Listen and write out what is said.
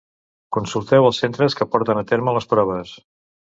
Consulteu els centres que porten a terme les proves.